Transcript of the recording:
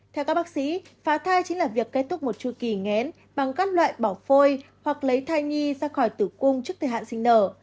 theo các bác sĩ phá thai chính là việc kết thúc một chu kỳ ngén bằng các loại bỏ phôi hoặc lấy thai nhi ra khỏi tử cung trước thời hạn sinh nở